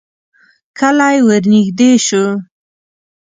کلی ورنږدې شو.